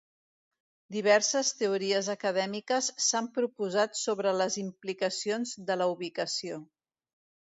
Diverses teories acadèmiques s'han proposat sobre les implicacions de la ubicació.